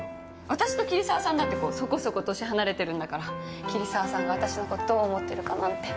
私と桐沢さんだってこうそこそこ年離れてるんだから桐沢さんが私の事どう思ってるかなんて。